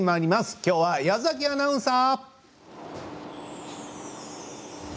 きょうは矢崎アナウンサー。